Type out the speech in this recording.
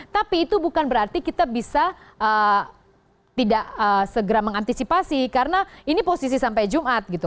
tapi itu bukan berarti kita bisa tidak segera mengantisipasi karena ini posisi sampai jumat gitu